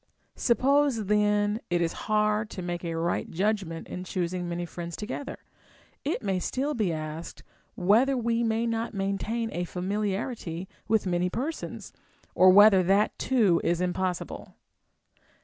Suppose then it is hard to make a right judgment in choosing many friends together, it may still be asked whether we may not maintain a familiarity with many persons, or whether that too is impossible.